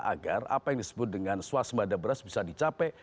agar apa yang disebut dengan swasembada beras bisa dicapai